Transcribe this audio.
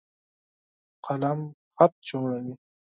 قلم خط جوړوي.